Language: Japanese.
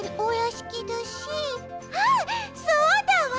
あそうだわ！